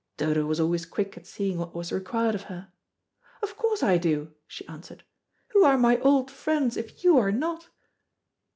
Dodo was always quick at seeing what was required of her. "Of course I do," she answered. "Who are my old friends if you are not?"